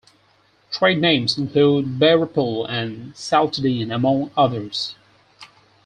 Trade names include Bayrepel and Saltidin among others.